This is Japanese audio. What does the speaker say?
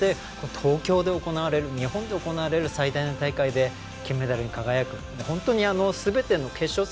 東京で、日本で行われる最大の大会で金メダルに輝く本当にすべての決勝戦